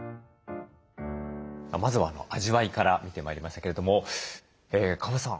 まずは味わいから見てまいりましたけれども川端さん